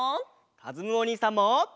かずむおにいさんも！